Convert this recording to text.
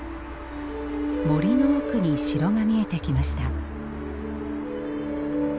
森の奥に城が見えてきました。